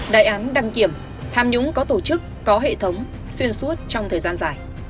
đại án đăng kiểm tham nhũng có tổ chức có hệ thống xuyên suốt trong thời gian dài